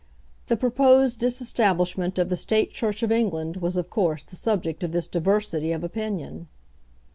The proposed disestablishment of the State Church of England was, of course, the subject of this diversity of opinion.